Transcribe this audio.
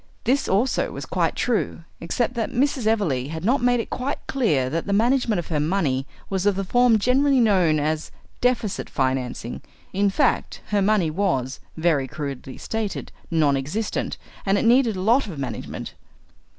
This also was quite true, except that Mrs. Everleigh had not made it quite clear that the management of her money was of the form generally known as deficit financing. In fact, her money was, very crudely stated, nonexistent, and it needed a lot of management.